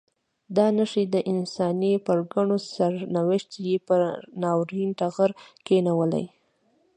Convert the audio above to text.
دا نښې د انساني پرګنو سرنوشت یې پر ناورین ټغر کښېنولی.